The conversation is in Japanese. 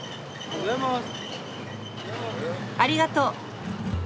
ありがとう。